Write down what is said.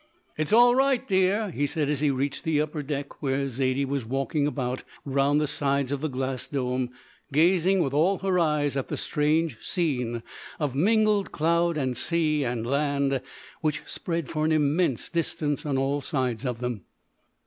"It's all right, dear," he said as he reached the upper deck where Zaidie was walking about round the sides of the glass dome gazing with all her eyes at the strange scene of mingled cloud and sea and land which spread for an immense distance on all sides of them.